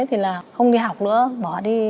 không đi học nữa bỏ đi